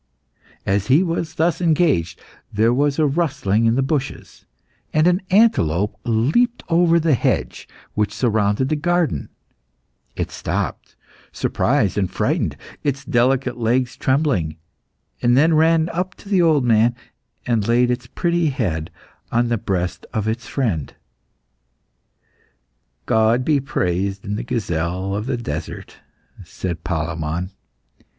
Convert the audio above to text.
As he was thus engaged, there was a rustling in the bushes, and an antelope leaped over the hedge which surrounded the garden; it stopped, surprised and frightened, its delicate legs trembling, then ran up to the old man, and laid its pretty head on the breast of its friend. "God be praised in the gazelle of the desert," said Palemon.